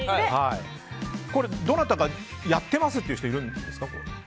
どなたかやってますっていう人いるんですか？